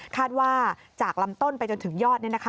คาดว่าจากลำต้นไปจนถึงยอด